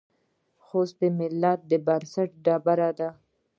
خوست د ملت د بنسټ ډبره ده.